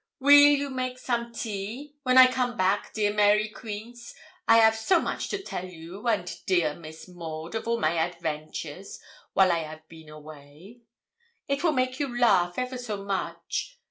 'Weel you make a some tea? When I come back, dear Mary Quince, I 'av so much to tell you and dear Miss Maud of all my adventures while I 'av been away; it will make a you laugh ever so much.